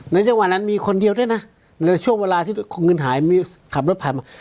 จังหวะนั้นมีคนเดียวด้วยนะในช่วงเวลาที่เงินหายมีขับรถผ่านมา